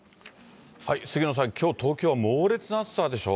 杉野さん、きょう、東京は猛烈な暑さでしょ？